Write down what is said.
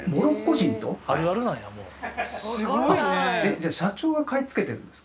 じゃあ社長が買い付けてるんですか？